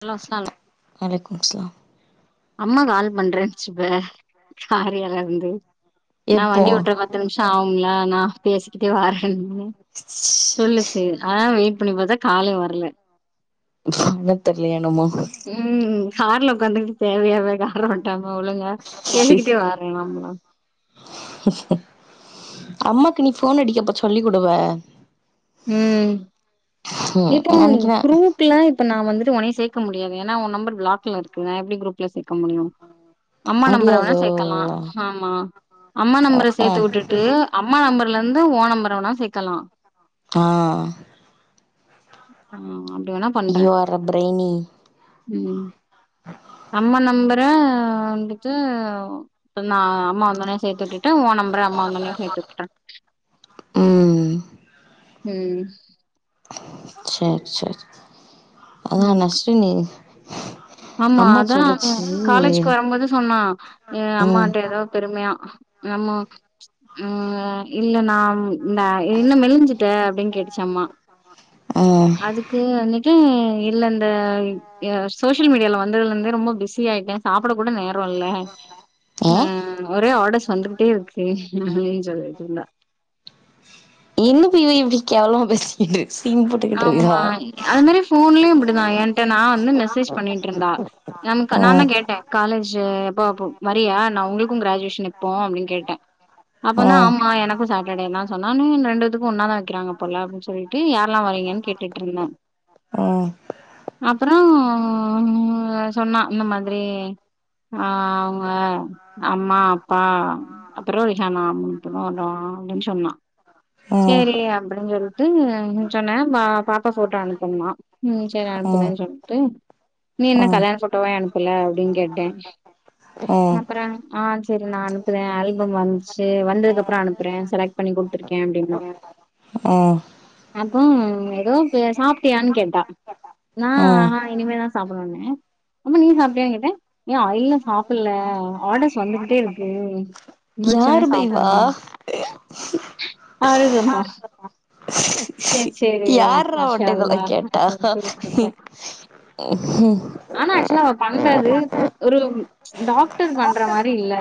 Hello ஸ்லாம் அலைக்கும் ஸலாம் அம்மா கால் பண்றேன்ச்சி இப்ப காரியாலருந்து நா எப்போ வண்டி ஒட்டுத ப த்து நிமிஷொ ஆகும்ல நா பேசிக்கிட்டே வாரேன் சொல்லுச்சு அதா வெயிட் பண்ணி பாத்த கால்லே வரல பண்ணத் தெர்லையோ என்னமோ ம் ம் கார்ல உக்காந்துகுட்டு தேவையாவா வரமாட்டாங்க ஒழுங்கா எங்கக்கிட்டயே வாரே நாங்களா அம்மாக்கு நீ போன் அடிக்கப்ப சொல்லி் குடுவ ம் ம் இப்போ நெனைக்கிறே ப்ரூப் ப்புல இப்ப நா வந்துட்டு உன்னையு சேக்க முடியாது ஏன்னா ஓ நம்பர் ப்ளாக்ல இருக்கு நா எப்டி குரூப்ல சேக்க முடியு அம்மா நம்பர வேனுனா முடியாதோ சேக்கலா ஆமா அம்மா நம்பர சேத்து ம்ஹூம் வுட்டுட்டு அம்மா நம்பர்ல இருந்து ஓ நம்பரவேனுனாலு சேக்கலா ஆ ஆ அப்டி வேணா பண்றே யூ ஆர் ர ப்ரைனி ம் அம்மா நம்பர வந்துட்டு நா அம்மா வந்தோனேயு சேத்து விட்டுட்டு ஓ நம்பர அம்மா வந்த ஒட்னே சேத்து விட்டுட்டே ம் ம் செரி செரி அதா ம் நெஸ்ட்டு நீ ஆமா அதா காலேஜ்க்கு வரும்போது சொன்னா ஏ ம் அம்மாட்ட எதோ பெருமையா நம்மோ நம்ம இல்ல நாம் ன்ன என்ன மெழிஞ்சுட்ட அப்டின்னு கேட்டுச்சு அம்மா ம் அதுக் க்கு வந்துட்டு இல்ல இந்த யா சோஸ் சோஷியல் மீடியால வந்ததுல இருந்தே ரொம்ப பிஸி ஆயிட்டே சாப்புட கூட நேரோ இல்ல ஏ அ ஒரே ஆர்டர்ஸ் வந்துகிட்டே இருக்கு அப்புடின்னு சொல்லிட்டு இருந்தா இன்னு பிவி இப்புடி கேவளமா பேசிக்கிட்டு சீன் போட்டுக்கிட்டு இருக்குறா போன்லேயும் இப்புடிதா ஏன்ட்ட நா வந்து மெசேஜ் பண்ணிட்ருந்தா நமக்கு நாந்தா ம் கேட்டே காலேஜு எப்போ அப்பு வரியா நா உங்களுக்கு க்ராஜுவேஷன் இப்போ அப்டின் கேட்டே அப்ப தா ம் ஆமா எனக்கு சேட்டர்டேன்தா சொன்னா நானு ரெண்டுதுக்கு ஒன்னா தா வக்கிறாங்க போல அப்புடின் சொல்லிட்டு யார் ல்லா வரீங்கனு கேட்டுகிட்ருந்தே ஆ அப்பறோ ம் சொன்னா இந்த மாதிரி ஆ அவுங்க அம்மா அப்பா அப்பறோ ரிஹானா [unintelligible] அப்புடின் சொன்னா ம் சேரி அப்புடினு சொல்ட்டு சொன்னே பா பாப்பா போட்டோ அனுப்பனுமா சேரி அனுப்புறன் சொல்ட்டு நீ என்ன ம் கல்யாண போட்டோவே அனுப்பல அப்டின் கேட்டே ம் ம் அப்பறம் ஆ செரி நா அனுப்புறே ஆல்பம் வந்துச்சு வந்ததுக்கு அப்றோ அனுப்புறே செலக்ட் பண்ணி குடுத்திருக்கே அப்புடின்னா ம் அப்றோ எதுவு பே சாப்ட்டியானு கேட்டா நா ஆ ஹா இனிமேதா சாப்புட்னுனே ஆமா நீ சாப்ட்டியானு கேட்டே ஏ அய்யய்ய சாப்புட்ல ஆர்டர்ஸ் வந்துகிட்டே இருக்கு முடுச்சோன்னே யாரு பை வா சாப்புட்ணு அப்டி சொன்னா சரி சரி [inaudible] யார் டா மாஷா அவன்ட்ட இதெல்லா அல்லா கேட்டா சொல்லிட்டு விட்ருப்பே ஆனா ஆக்சுவலா அவ பண்றது ஒரு டாக்டர் பண்ற மாரி இல்ல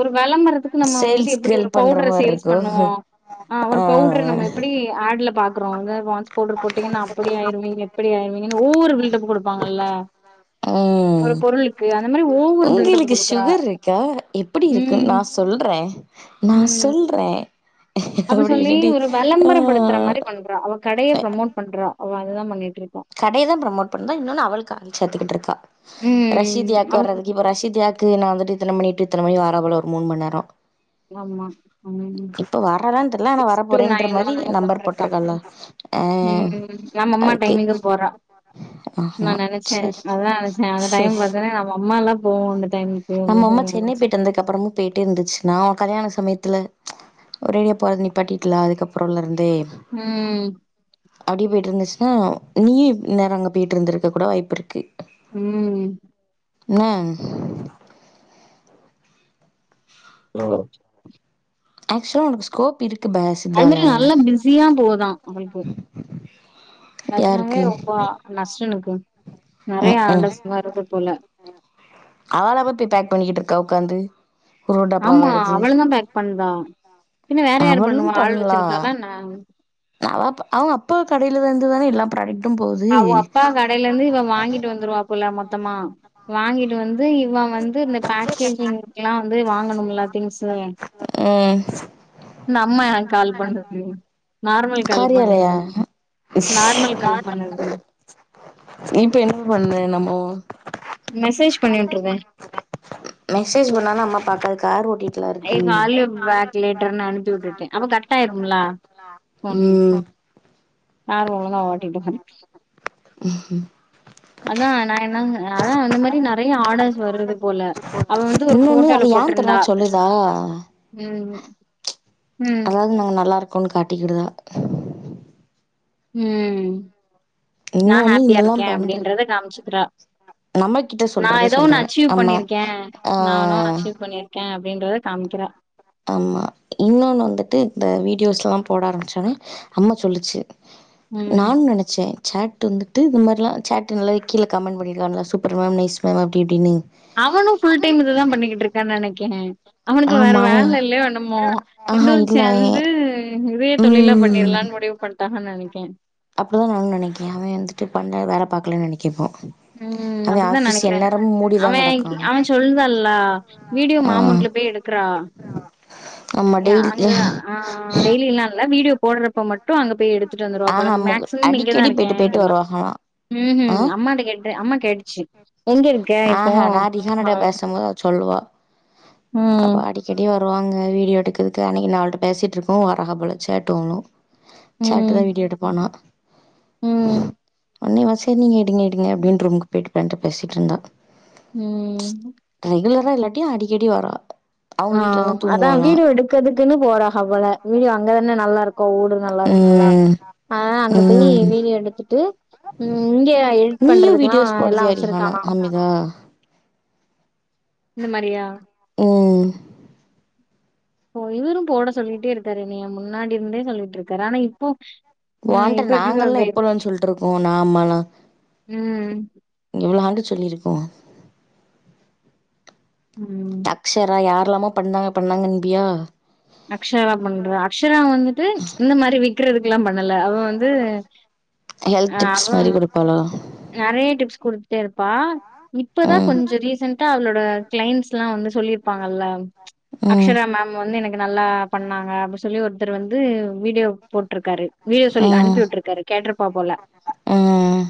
ஒரு வெளம்பரதுக்கு நம்ம வந்துட்டு சேல்ஸ் எப்டி கேர்ள் ஒரு பண்ற பவுடர மாரி சேல்ஸ் இருக்கு பண்ணுவோ ஆ ஒரு பவுடர நம்ம எப்டி ஆட்ல பாக்கறோல பான்ஸ் பவ்டர் போட்டீங்கன்னா அப்புடி ஆயிருவீங்க அப்டி ஆய்ருவிங்கன்னு ஓவரு பில்டப் கொடுப்பாங்கல்ல ம் ஒரு பொருளுக்கு அந்த மாதிரி ஓ உங்களுக்கு சுகர் இருக்கா எப்புடி இருக்குன் ம் நா சொல்ற நா ம் சொல்ற அப்டி சொல்லி ஒரு வெளம்பரப்படுத்துற மாரி பண்றா அவ கடைய ப்ரொமோட் பண்றா அவ அதுதா பண்ணிட்டுருக்கா கடைய தா ப்ரொமோட் பண்ற இன்னொன்னு அவளுக்கு ஆள் சேத்துக்கிட்டுருக்கா ம் ரஷீத்யாக்கு அவளுக்கு வர்றதுக்கு ரஷீதியா நா வந்துட்டு இத்தனமணி டூ இத்தன மணி வாரா போல ஒரு மூணு மண் நேரோ ஆமா ம் இப்ப வாரலானு தெர்லா ஆனா வர சிக்ஸ் டூ போறேன்ற நைனோ மாரி என்னமோ நம்பர் போட்ருக்கா போட்ருக்கல்லா ம் நம்ம அம்மா டைமிங்கு போறா நா ஆமா நெனச்ச சரி அதா நெனச்ச அந்த டைம் சரி பாத்தோனே நம்ம அம்மா எல்லாமே போவோ அந்த டைமுக்கு நம்ம அம்மா சென்னை நெனச்சே போய்ட்டு வந்ததுக் அப்பறமு போய்ட்டே இருந்துச்சு நா ஒ கல்யாண சமயத்துல ஒரேடியோ போறது நிப்பாட்டிக்லா அதுக்கப்றோலருந்து ம் அப்டியே போய்ட்டு இருந்துச்ன்னா நீயு நேரா அங்க போய்ட்டு வந்துருக்க கூட வாய்ப்பிருக்கு ம் என்ன ஹலோ ஆக்சுவலாக உனக்கு ஸ்கோப் இருக்கு பாஸ் அது மாதிரி நல்லா பிஸியா போதா அவளுக்கு நஜினாவே யாருக்கு ரொம்ப நஸ்ரினுக்கு நெறைய ம் ம் ஆட்டஸ் வருது போல அவளா போய் பேக் பண்ணிட்டுருக்கா உக்காந்து ஒரு ஒரு டப்பாவ ஆமா எடுத்து அவளு தா பேக் பண்றா பின்ற வேற யாரு அவளும் பண்ணுவா ஆள் பண்லா வச்சிருக்காலா என்ன அவ அப்ப அவுங்க அப்பா கடைல இருந்துதான எல்லா ப்ராடக்ட் அவ அப்பா கடைல இருந்து இவ வாங்கிட்டு வந்துருவா போல மொத்தமா வாங்கிட்டு வந்து இவன் வந்து இந்த பேக்கேஜிங் க்லா வந்து வாங்கணும்ல திங்ஸு ம் என்ன அம்மா எனக்கு கால் பண்ணுது நார்மல் கால் காரியாலயா பண்ணுது நார்மல் கால் பண்ணுது இப்ப என்ன பண்ண நம்மோ மெசேஜ் பண்ணி உட்டுருவ மெசேஜ் பண்ணாளு அம்மா பாக்காது கார் ஓட்டி ஐ கால் யூ பேக் லேட்டர்னு அனுப்பி விட்டுட்டே அப்ப கட் ஆயிரும்ல போனு யார் ஒழுங்கா ஓட்டிட்டு [unintelligible] ம் அதா நா என்னாங் அதா அந்த மாரி நெறையா ஆர்டர்ஸ் வருது போல அவ வந்து ஒரு ஃபோட்டோல போட்ருந்தா தா ம் ம் அதாவது நாங்க நல்லாருக்கோன்னு காட்டிக்கிடுதா ம் நா இன்னொன்னு ஹாப்பியா இதெல்லா இருக்கே பண்ற அப்டின்றத காம்ச்கிறா நம்ம கிட்ட நா சொல்றத ஏதோ ஒன்னு சொல்ற அச்சீவ் நம்ம பண்ணிருக்கே நானு ஆ அச்சீவ் பண்ணிருக் க்கே அப்டின்றத காம்க்கிறா அம்மா இன்னொன்னு வந்துட்டு இந்த வீடியோஸ்லா போட ஆரம்பிச்சோன்னே அம்மா சொல்லுச்சு ம் நான் நென ச்சே சாட்டு வந்துட்டு இந் மாரிலா சேட்டு நல்லது கீழ கமெண்ட் பண்ணிருக்காங்கலா சூப்பர் மேம் நைஸ் மேம் அப்டி இப்டின்னு அவனு ஃபுல் டைம் இததா பண்ணிக்கிட்டுருக்கா நெனைக்கே அவனுக்கு வேற ஆமா அவன் வேல இல்லயோ என்னமோ ரெண்டு ஆஹா பேரு இல்ல அவன் சேந்து இதயே தொழிலா ம். பண்ணிட்லான் முடிவு பண்ட்டாங்க நெனைக்கே அப்டிதா நானு நெனைக்கே அவேன் வந்துட்டு பண்ணைல வேல பாக்கலன் நெனைக்கே இப்போ ம் அவன் அப்டித்தா ஆஃபீஸ் நெனைக்கிறே எந்நேரமும் மூடிதான் அவேன் கெடக்கான். அவேன் சொல்தான்ல்லா வீடியோ ஆ. மாமூண்ட்ல போய் எடு க்றா ஆமா ய அங்க டெய்லி ஆ டெய்லில்லா இல்ல வீடியோ போட்றப்ப மட்டு அங்க போய் எடு த்துட்டு வந்துருவா போல ஆஹா மு மேக்ஸிமம் இங்கதா அடிக்கடி இருக்கே போயிட்டு போயிட்டு அப்டினா வருவாங்களா ம் ஆ ஹும் அம்மாட்ட கே ட்ரு அம்மா கேட்டுச்சு எங்க இரு ஆ ஹா நா ரிஹானாட்டா பேசம்போது அவ சொல்லுவா ம். அப்பாடி செடி வருவாங்க வீடியோ எடுக்கறதுக்கு அன்னக்கி நா அவள்ட்ட பேசிட்ருக்கு வரகா போல சேட்டு அவளு சேட்டு தா ம். வீடியோ எடுப்பானா ம் அண்ணிவா சேர் நீங்க எடுங்க எடுங்க அப்டின் ரூமுக்கு போய்ட்டு ப்ரெண்ட்ட பேசிட்ருந்தா ம் ரெகுலரா இல்லாட்டியு அடிக்கடி வரா அவங்க ஆ வீட்லலா அதா தூங்குவாளா வீடியோ எடு க்கதுக்குன்னு போறாஹ போல வீடியோ அங்கதானே நல்லாருக்கு ஊடு நல்லாருக்கும்முலா ம் ஆ அங்க போய் ம் வீடியோ எடுத்துட்டு ம் இங்க எடிட் பண்றதுக்ல்லா எல்லா வச்சிருக்கானா ஆ இந்த மாரியா ம் ப்போ இவுரு போட சொல்லிட்டே இருக்காரு என்னய முன்னாடிருந்தே சொல்லிட்ருக்காரு ஆனா இப்போ ஆ ஓன்ட்ட இப்ப எப்டி நாங்கல்லா எப்போழன் சொல்ட்ருக்கோ நா அம்மாலா ம் எவ்ளோ ஆண்டு சொல்லிருக்கோ ம் ஷரா யார்ல்லாமோ பண்ணாங்க பண்ணாங்கன்ம்பியா அக்ஷரா பண்றா அக்ஷரா வந்துட்டு இந்த மாரி வி க்றதுக்குல்லா பண்ணல அவ வந்து ஹெல்த் ஆ அவ டிப்ஸ் மாரி குடுப்பாளா நறைய டிப்ஸ் குடுத்துட்டே இருப்பா இப்பதா ம் கொஞ்சோ ரீசெண்ட்டா அவளோட க்ளைண்ட்ஸ்ல்லா வந்து சொல்லிருப்பாங்கல்ல ம் அக்ஷரா மேம் வந்து எனக் கு நல்லா பண்ணாங்க அப்டி சொல்லி ஒருத்தர் வந்து வீடியோ போட்ருக்காரு வீடியோ சொல்லி ம் அனுப்பி வுட்ருக்காரு கேட்ருப்பா போல ம் ம்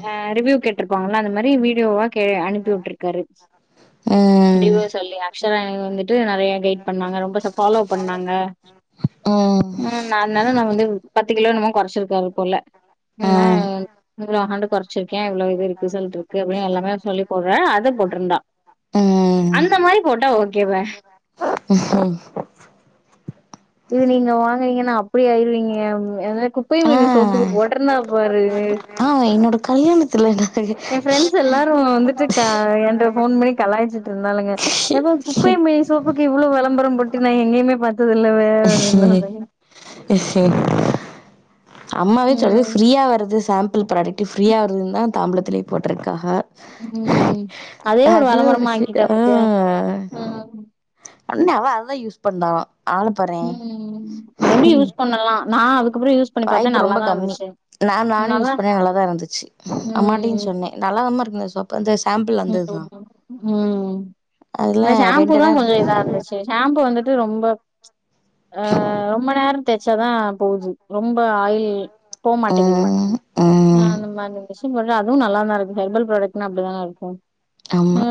ஆ ரிவ்யூ கேட்ருப்பாங்கல்ல அந்த மாரி வீடியோவா கே அனுப்பி வுட்டுருக்காரு ம் டிவ சொல்லி அக்ஷரா மேம் வந்து ட்டு நறையா கைட் பண்ணாங்க ரொம்ப ச ஃபாலோ பண்ணாங்க ம் நா ஆனால நா வந்து பத்து கிலோ என்னமோ கொறச்சிருக்காரு போல என்னன் ம் இவ்ளோ ஹாண்டு கொறச்சிருக்கே இவ்ளோ இது இருக்கு ரிசல்ட் இருக்கு அப்டின் எல்லாமே அவர் சொல்லி போட்றா அத போட்ருந்தா அந்த மாரி போட்டா ஓகேப ம் ம் இது நீங்க வாங்குறீங்கன்னா அப்டி ஆயிருவீங்க அதா குப்பை ஆ மெனி சோப்புக்கு போட்டுருந்தா பாரு ஆ என்னோட கை எ ஃப்ரெண்ட்ஸ் எல்லாரு வந்துட்டு க ஏ ட்ட ஃபோன் பண்ணி கலாய்ச்சிட்ருந்தாலுங்க எவ குப்பை மேனி நாங்க சோப்புக்கு இவ்ளோ வெளம்பரோ போட்டு நா எங்கேயுமே பாத்தது இல்லவே செரி அப்டின்னாளுங்க செரி அம்மாவே சொல்லுது ம் ஃப்ரீயா வருது சாம்பிள் ப்ராடக்ட் ஃரீயா வருதுன்னு தா தாம்பலத்திலயே போட்டுருக்காக ம் அதயே ஒரு வெளம்பரமா சி ஆக்கிட்டா ஆ பாத்தியா ஆ ஒன்னு அவ அவ தா யூஸ் பண்ணா ஆன ம் மேபி யூஸ் பண்ணலா நா அதுக்கப்புறோ யூஸ் பண்ணி பாத்தே வாய்ப்பு ரொம்ப நல்லாதா கம்மி இருந்துச்சு நா நானு யூஸ் நல்லா பண்னே நல்லாதா இருந்துச்சு அம்மாட்டையு ம் சொன்னே நல்லா தாம்மா இருக்கு இந்த சோப் பு வந்த சாம்பிள் அந்த இதுதா ம் ம் அதுல இந்த ஷாம்பூ ரெண்டு தா நாள் கொஞ்சோ இதா இருந்துச்சு ஷாம்பூ வந்துட்டு ரொம்ப அ ரொம்ப நேரோ தேச்சாதா போகுது ரொம்ப ஆயில் போ மாட்டேக்குது ம் ம் அந்த மாரி விஷய போட்டா அதுவு நல்லா தா இருக்கு ஹர்பல் ப்ராடெக்ட்ன்னா அப்டிதான இருக்கு ஆ ஆமா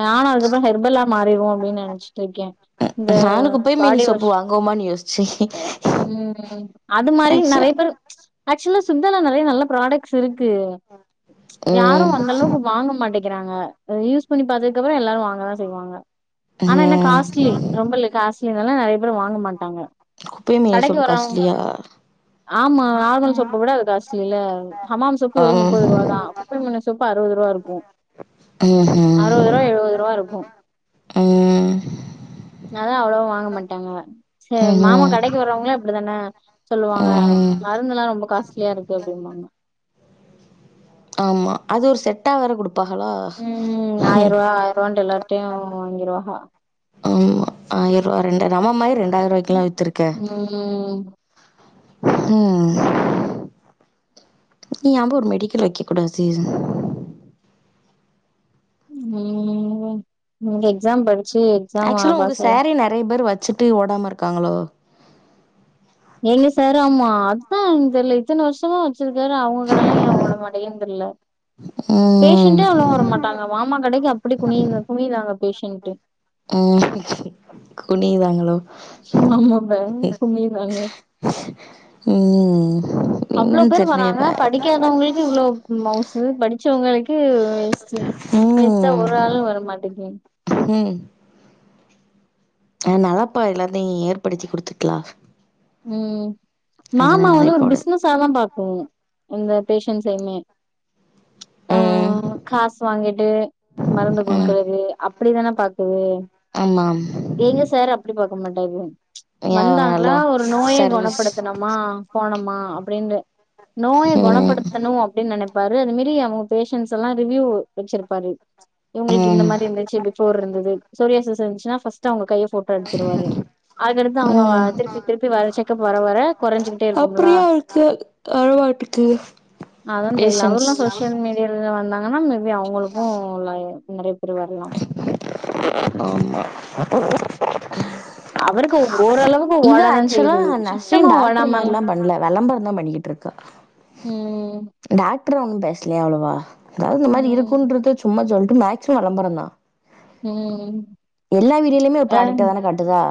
நானு அதுக்கப்புறோ ஹர்பல்லா மாறிறுவோ அப்டின்னு நெனச்சிட்டு இருக்கே இந்த நானு குப்பை மெனி பாடி சோப்பு வாஷ் வாங்குவோமான்னு யோசிச்சே ம் அது மாரி நெறைய ஆக்சுவ பேரு ஆக்சுவலா சித்தால நெறைய நல்ல ப்ராடக்ட்ஸ் இருக்கு யாரு வந்த அளவுக்கு வாங்க மாட்டேக்கிறாங்க அத யூஸ் பண்ணி பாத்ததுக்கு அப்புறோ எல்லாரு வாங்கதா செய்வாங்க ஆனா என்ன காஸ்ட்லி ரொம்ப இ காஸ்ட்லினால நெறைய பேரு வாங்க மாட்டாங்க கடைக்கு வரவங் ஆமா நார்மல் சோப்ப விட அது காச்ட்லில ஹமாம் சோப்பு வெரு முப்பது ரூபா தா குப்பைமெனி சோப்பு அறுவது ரூவா இருக்கு ம்ஹும். அறுவதுருவா எழுவதுருவா இருக்கு ம், யாரோ அவ்ளவா வாங்க மாடாங்க சே மாமா ம்ஹும். கடைக்கு வறவங்களே அப்டிதான சொலுவாங்க ம், மருந்தெல்லா ரொம்ப காஸ்ட்லியா இருக்கு அப்டிம்பாங்க ஆமா அது ஒரு செட்டா வேர கொடுப் பாகலா ம் ஆயரூவா ஆயரூவான்ட்டு எல்லார்ட்டயு வாங்கிருவாங்க ஆமா ஆயரூவா ரெண்டாயி அம்மா மாரி ரெண்டாயிரூவாய்குலா வித்துருக்கே ம் ம் நீயாம்பு ஒரு மெடிகல் வைக்ககூடாது ம் இங்க எக்ஸாம் படிச்சு எக்ஸாம் ஆக்சுவலா உங்க பாஸ் ஆயி சாரீ நெறைய பேர் வச்சீட்டு ஓடாம இருகாங்களோ எங்க சாராம்மா அத்தா எனக் தெரில இத்தன வர்ஷமா வெச்சுருக்காரு அவங்க கடல்லா ஏ ஓடனுமாட்டேங்குதுனு தெரில ம் பேஷண்டே அவ்ளோ வர மாட் டாங்க மாமா கடைக்கு அப்டி குமி குமிராங்க பேஷன்ட்டு ஆ குனிவாங்களோ ம் ஆமாப்பா குமிறாங்க ம் அவ்ளோ என்னன்னு பேர் தெர்லயே வராங்க ப படிக்காதவங்ளுக்கு இவ்ளோ மவுசு படி சோ உங்ளுக்கு வேஸ்டு வேஸ்டா ஒரு ஆளு வரமாட்டேக்கு ஹூம் ஆ நல்லாபா எல்லாத்தையு ஏற்படுதி கொடுதுருக்லா ம் மாமா அதனாலதா வந்து ஒரு இப்போடு பிஸ்னசா தா பாக்கு இந்த பேஷன்ட்ஸையுமே ஆ ம் காசு வாங்கிட்டு மருந்து ம் குடுகுறது அப் அப்டிதான பாக்குது ஆமாம் எங்க சார் அப்டி பாக்க மாட்டாரு வந்தாங்களா எவங்களு ஒரு நோய கொணபடுதணமா போனமா அப்டின்னு நோய ம் கொணபடுதணு ணு அப்டின்னு நெனபாரு அதுமேரி அவங்க பேஷன்ஸ் எல்லா ரிவ்யூ வச்சிருபாரு இவுங்களுக்கு இந்த ம் மாரி இருந்துச்சி பிஃபோர் இருந்தது சொரியாசிஸ் இருஞ்ச்சினா ஃபர்ஸ்ட் அவங்க கைய ஃபோட்டோ எடுத்துடுவாரு அத எடுத்து அவங்க வர ம் திருப்பி திருப்பி வேர செக்கப் வர வர குறைஞ்சுகிட்டே இருக்கும்லா அப்டியா இருக்கு அழவாட்டுக்கு அதா‌ தெரில அவர்லா சோசியல் மீ தெரிஞ்சி வந்தாகன்னா மேபி அவுங்களுக்கு லய நெறைய பேர் வரலா ஆமா அப்றோ அவருக்கு ஓரளவு இவ ஆக்சுவுலா நர்சிங் டாக்டர் ஓடாமலா மாரிலா பண்ல வெளம்பரந்தா பண்ணிகிட்டு இருக்கா ம் டாக்டர் ஒன்னு பேசலையா அவ்ளவா அதாவது இந்த மாரி ம் இருகுன்றத சும்மா சொல்ட்டு மேக்சிமம் வெளம்பரந்தா ம் எல்லா வீடியோலயுமே ஒரு ப்ராடக்டதான காட்டுதா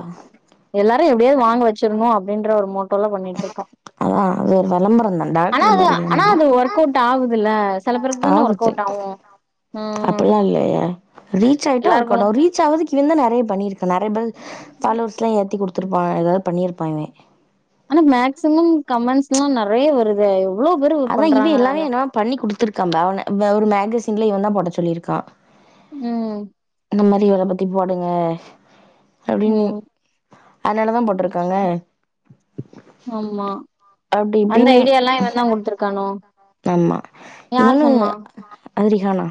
எல்லாரயு எப்டியாது வாங்க வச்சிறணு அப்டின்ற ஒரு மோட் டிவ்ல பண்ணிட் இருக்கா அதா அது ஒரு விளம்பரம் தான் ஆனா டாக்டர் அது மாரிலாம் ஆனா பண்ல அது ஒர்க் அவுட் ஆகுதுல்ல செல பேருக்குதான ஒர்க் அவுட் ஆவு ம் இல்லயா ரீச் ஆய்ட்டா ஒர்க் எல்லாருக்கு ஆடு ரீச் ஆவுறதுக்கு இவேந்தா நெறைய பண்ணிருக்கா நெறய பேர் ஃபாலோவர்ஸ்லா ஏத்தி குடுத் துருப்பா எதாவது பண்ணிருப்பா இவே ஆனா மேக்சிமம் கமண்ட்ஸ்லா நெறைய வருதே எவ்ளோ பேரு அதான் பண்றாங்க இவன் எல்லாமே இத என்னவோ பண்ணி குடுத்துருக்கா அந்த அவன வ ஒரு மேகசின்ல இவந்தா போட சொல்லிருக்கா ம் இந்த மாரி இவள பத்தி போடுங்க அப்டின் ம் அதனால தா போட்ருக்காங்க ஆமா அப்டி அந்த இப்டின்னு ஐடியால்லா இவந்தா குடுத்துருக்கானோ ஆமா யார் இவனு சொன்னா அதிரிகானா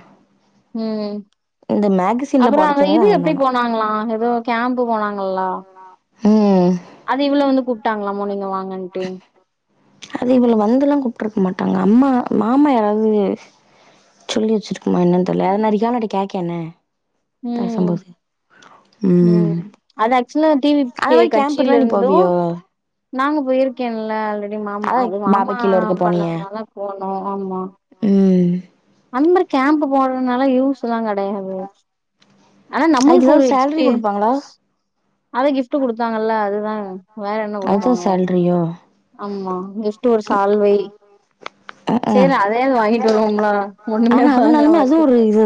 ம் மேகசின்ல அப்பறோ போட அந்த சொன்னது இது அவன் எப்டி தானா போனாங்ளா ஏதோ கேம்ப் போனாங்கல்லா ம் அது இவள வந்து கூப்ட்டாங்களாமோ நீங்க வாங்கன்ட்டு அது இவள வந்துல்லா கூப்ட்டுருக்க மாட்டாங்க அம்மா மாமா யாராவது சொல்லி வச்சிருகுமா என்னன்னு தெரில அத நா ரிகானாட்ட கேக்கே என்ன ம் பேசம்போது ம் அது ஆக்சுவல டி வி அது கே மாரி கேம்புக்கு கட்சில தா நீ இருந்து போவியோ நாங்க போயிருக்கேன்ல அல்ரெடி மா அதா அது மாமா பாபக்கீழ ஒருக்க போனியே பண்ணதுனால போனோ ஆமா ம் அந்தர் கேம்ப் போடுறதுனால யூஸ் எல்லா கெடையாது ஆனா அதுக்கு நம்மளுக்கு ஒரு ஏதாவது சேல்ரி குடுப்பாங்களா எக்ஸ்பீரியன்ஸ் அது கிஃப்ட் குடுத்தாங்கல்ல அதுதா அதுதா சேல்ரியோ ஆமா கிஃப்ட் ஒரு சால்வை ம்ஹூம் சேரி அதையாவது வாங்கிட்டு வருவோம்லா ஒண்ணுமே ஆனா வாங்காம அதுனாலுமே அதுவு இருக்க ஒரு இதுதா